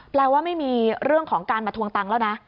แปลว่าไม่มีเรื่องของการมาทวงตังค์แล้วนะ